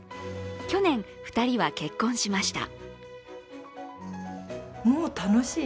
去年、２人は結婚しました。